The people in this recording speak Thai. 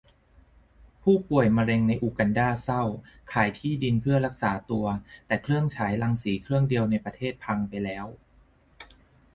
ผู้ป่วยมะเร็งในอูกันดาเศร้า ขายที่ดินเพื่อมารักษาตัว แต่เครื่องฉายรังสีเครื่องเดียวในประเทศพังไปแล้ว